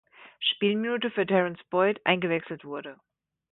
Spielminute für Terrence Boyd eingewechselt wurde.